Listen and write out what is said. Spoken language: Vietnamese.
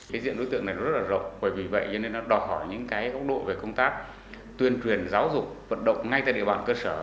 cái diện đối tượng này nó rất là rộng bởi vì vậy cho nên nó đòi hỏi những cái góc độ về công tác tuyên truyền giáo dục vận động ngay tại địa bàn cơ sở